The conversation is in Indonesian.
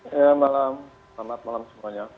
selamat malam semuanya